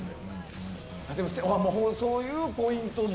そういうポイントも。